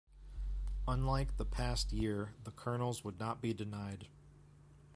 Unlike the past year, the Colonels would not be denied.